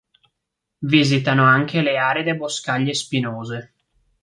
Visitano anche le aride boscaglie spinose.